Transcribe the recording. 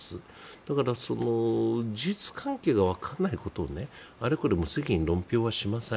だから、事実関係がわからないことをあれこれ無責任に論評はしません。